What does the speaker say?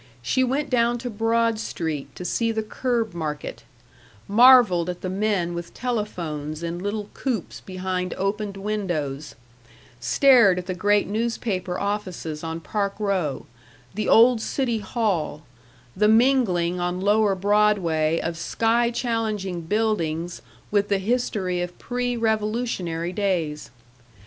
She went down to Broad Street to see the curb market; marveled at the men with telephones in little coops behind opened windows; stared at the great newspaper offices on Park Row, the old City Hall, the mingling on lower Broadway of sky challenging buildings with the history of pre Revolutionary days.